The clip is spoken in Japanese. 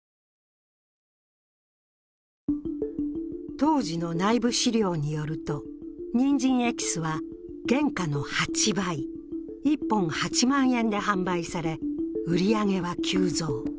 当時の内部資料によると、人参エキスは原価の８倍、１本８万円で販売され、売り上げは急増。